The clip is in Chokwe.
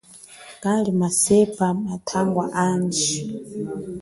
Kali masepa mathangwa handji.